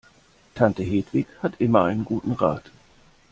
Tante Hedwig hat immer einen guten Rat.